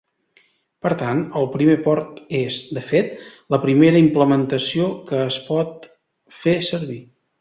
Per tant, el primer port és, de fet, la primera implementació que es pot fer servir.